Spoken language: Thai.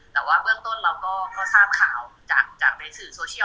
แต่ว่าเบื้องต้นเราก็ทราบข่าวจากในสื่อโซเชียล